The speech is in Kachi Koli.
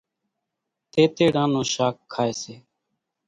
تيتيڙان نون شاک کائيَ سي۔